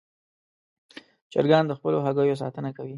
چرګان د خپلو هګیو ساتنه کوي.